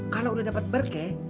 kalau udah dapet berke